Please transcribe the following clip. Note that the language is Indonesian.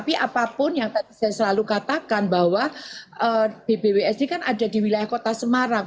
tapi apapun yang tadi saya selalu katakan bahwa bbws ini kan ada di wilayah kota semarang